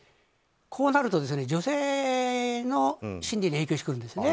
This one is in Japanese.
こうなると女性の心理に影響してくるんです。